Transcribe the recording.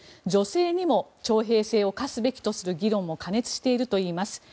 女性にも徴兵制を課すべきとする議論も過熱しているといいます。